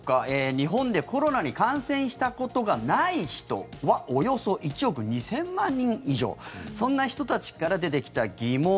日本でコロナに感染したことがない人はおよそ１億２０００万人以上そんな人たちから出てきた疑問。